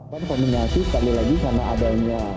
dan komunikasi sekali lagi sama adanya